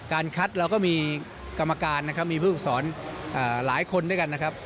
คัดเราก็มีกรรมการนะครับมีผู้ฝึกสอนหลายคนด้วยกันนะครับ